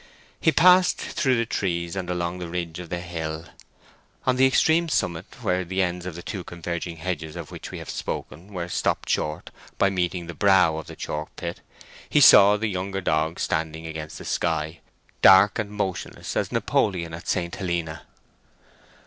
He passed through the trees and along the ridge of the hill. On the extreme summit, where the ends of the two converging hedges of which we have spoken were stopped short by meeting the brow of the chalk pit, he saw the younger dog standing against the sky—dark and motionless as Napoleon at St. Helena.